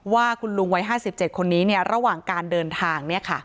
ว่าคุณลุงไว้ห้าสิบเจ็ดคนนี้เนี้ยระหว่างการเดินทางเนี้ยค่ะ